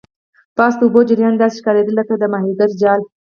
پاس د اوبو جریان داسې ښکاریدل لکه د ماهیګرۍ جال.